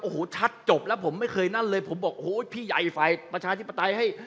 โอ้โหชัดจบแล้วผมไม่เคยนั่นเลยผมบอกโอ้โหพี่ใหญ่ฝ่ายประชาธิปไตยให้